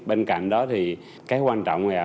bên cạnh đó thì cái quan trọng là